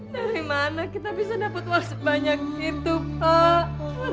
dari mana kita bisa dapat uang sebanyak itu pak